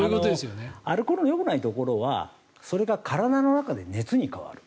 アルコールのよくないところはそれが体の中で熱に変わる。